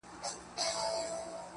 o په خپلو اوښکو.